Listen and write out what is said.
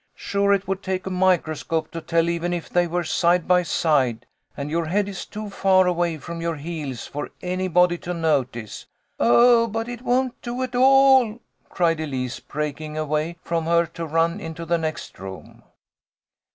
" Sure it would take a microscope to tell, even if they were side by side, and your head is too far away from your heels for anybody to notice." " Oh, but it won't do at all !" cried Elise, break ing away from her to run into the next room.